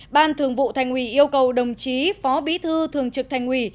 ban thường vụ thành ủy yêu cầu đồng chí phó bí thư thường trực thành ủy